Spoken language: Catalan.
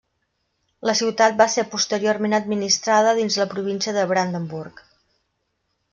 La ciutat va ser posteriorment administrada dins la província de Brandenburg.